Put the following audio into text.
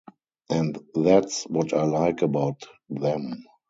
And that's what I like about them.